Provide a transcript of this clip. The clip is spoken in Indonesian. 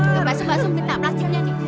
mbak sung mbak sung minta plastiknya nih